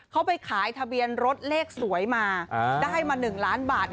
เขาไปขายทะเบียนรถเลขสวยมาได้มา๑ล้านบาท